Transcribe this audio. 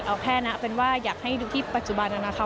เอาแค่นะเป็นว่าอยากให้ดูที่ปัจจุบันนะคะ